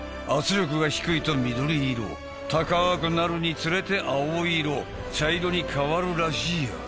圧力が低いと緑色高くなるにつれて青色茶色に変わるらしい。